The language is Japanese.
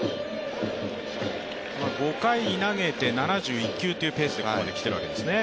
５回投げて７１球というペースでここまで来ているわけですね。